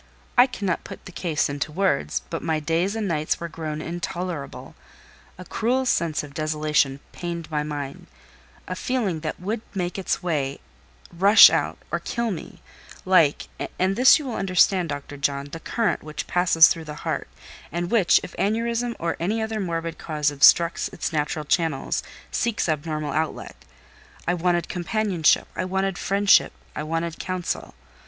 I cannot put the case into words, but my days and nights were grown intolerable: a cruel sense of desolation pained my mind: a feeling that would make its way, rush out, or kill me—like (and this you will understand, Dr. John) the current which passes through the heart, and which, if aneurism or any other morbid cause obstructs its natural channels, seeks abnormal outlet. I wanted companionship, I wanted friendship, I wanted counsel.